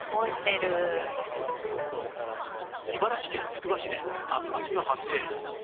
茨城県つくば市で竜巻が発生